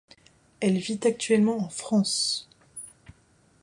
Elle vit actuellement en France.